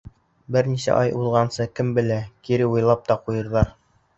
Бер нисә ай уҙғансы, кем белә, кире уйлап та ҡуйырҙар.